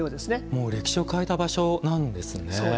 もう歴史を変えた場所なんですね。